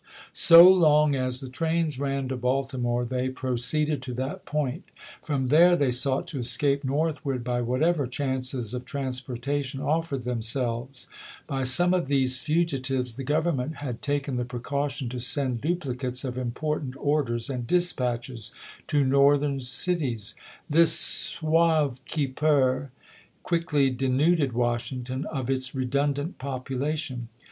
So long as the trains ran to Baltimore, they proceeded to that point ; from there they sought to escape north ward by whatever chances of transportation of fered themselves. By some of these fugitives the Government had taken the precaution to send duplicates of important orders and dispatches to Northern cities. This sauve qui peut quickly de nuded Washington of its redundant population.